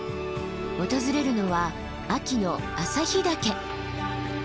訪れるのは秋の朝日岳。